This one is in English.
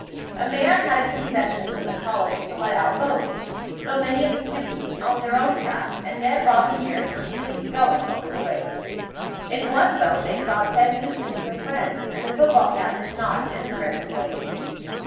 A man had a concession from the college to let out boats, though many of the students owned their own craft, and Ned, Bob and Jerry were soon sculling over the lake. In one boat they saw Ted Newton and some friends, and the football captain nodded in a friendly way.